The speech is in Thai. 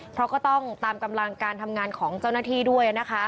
เพราะก็ต้องตามกำลังการทำงานของเจ้าหน้าที่ด้วยนะคะ